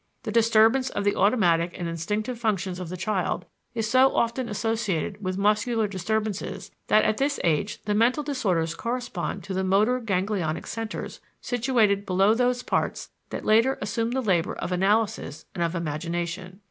The disturbance of the automatic and instinctive functions of the child is so often associated with muscular disturbances that at this age the mental disorders correspond to the motor ganglionic centers situated below those parts that later assume the labor of analysis and of imagination.